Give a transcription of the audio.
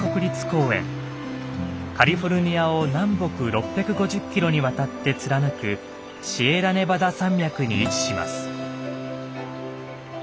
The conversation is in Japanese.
カリフォルニアを南北６５０キロにわたって貫くシエラネバダ山脈に位置します。